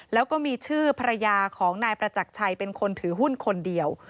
แล้วก็มีชื่อภรรยาของนายประจักรชัยเป็นคนถือหุ้นคนเดียว